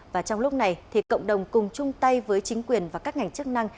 và trong lúc này thì cộng đồng cùng chung tay với chính quyền và các ngành chức năng